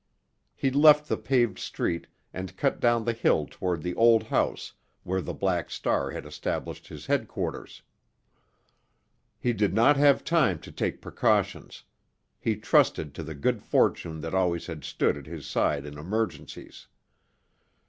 He left the paved street and cut down the hill toward the old house where the Black Star had established his headquarters. He did not have time to take precautions; he trusted to the good fortune that always had stood at his side in emergencies.